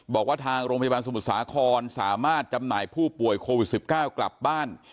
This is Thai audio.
บอกว่าทางโรงพยาบาลสมุทรสาครสามารถจำหน่ายผู้ป่วยโควิด๑๙กลับบ้าน